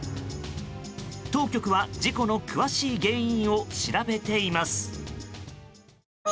当局は事故の詳しい原因を調べています。